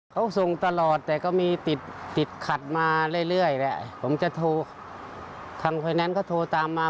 เขาส่งตลอดแต่ก็มีติดติดขัดมาเรื่อยแหละผมจะโทรทางไฟแนนซ์เขาโทรตามมา